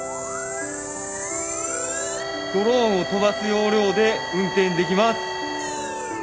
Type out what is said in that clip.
ドローンを飛ばす要領で運転できます。